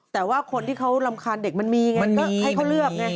แต่ว่าคนที่เขารำคาญเด็กมันมีไงมันก็ให้เขาเลือกไง